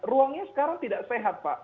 ruangnya sekarang tidak sehat pak